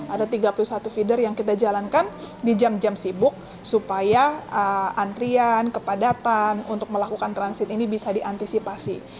ada tiga puluh satu feeder yang kita jalankan di jam jam sibuk supaya antrian kepadatan untuk melakukan transit ini bisa diantisipasi